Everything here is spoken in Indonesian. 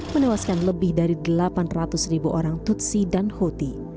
menewaskan lebih dari delapan ratus ribu orang tutsi dan hoti